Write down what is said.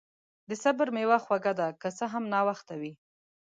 د صبر میوه خوږه ده، که څه هم ناوخته وي.